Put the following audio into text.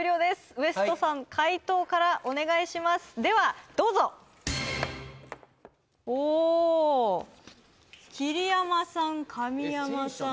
ＷＥＳＴさん解答からお願いしますではどうぞお桐山さん神山さん